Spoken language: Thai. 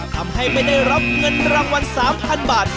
ทำให้ไม่ได้รับเงินรางวัล๓๐๐๐บาท